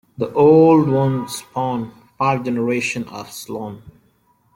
The Old Ones spawned five generations of Slann.